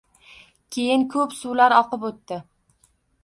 Keyin, ko’p suvlar oqib o’tdi.